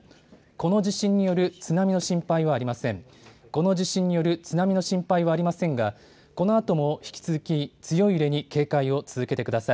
この地震による津波の心配はありませんがこのあとも引き続き強い揺れに警戒を続けてください。